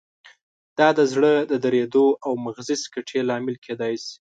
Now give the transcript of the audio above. دا د زړه د دریدو او مغزي سکتې لامل کېدای شي.